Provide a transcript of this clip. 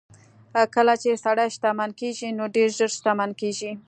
کله چې سړی شتمن کېږي نو ډېر ژر شتمن کېږي.